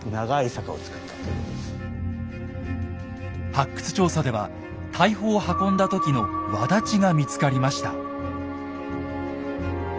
発掘調査では大砲を運んだ時のわだちが見つかりました。